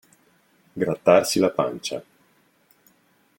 Grattarsi la pancia.